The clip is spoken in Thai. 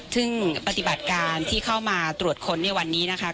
ซึ่งปฏิบัติการที่เข้ามาตรวจค้นในวันนี้นะคะ